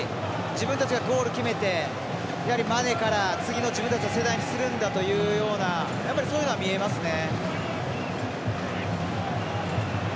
自分たちがゴール決めてやはりマネから次の自分たちの世代にするんだというようなそういうのは見えますね。